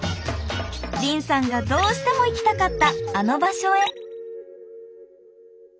凜さんがどうしても行きたかったあの場所へ。